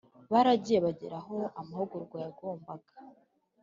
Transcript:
baragiye bagera aho amahugurwa yagombaga